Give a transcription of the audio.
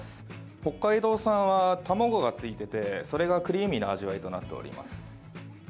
北海道産は卵がついていてそれがクリーミーな味わいとなっております。